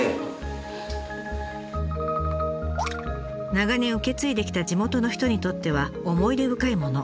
長年受け継いできた地元の人にとっては思い出深いもの。